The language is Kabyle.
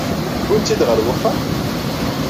Tewwimt-tt-id ɣer uxxam?